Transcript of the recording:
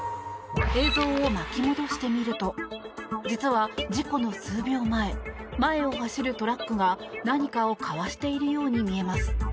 映像を巻き戻してみると実は、事故の数秒前前を走るトラックが何かをかわしているように見えます。